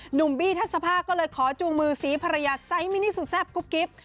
บี้ทัศภาก็เลยขอจูงมือสีภรรยาไซส์มินิสุดแซ่บกุ๊บกิ๊บ